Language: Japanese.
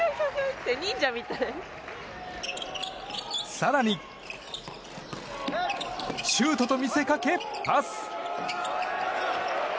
更に、シュートと見せかけパス！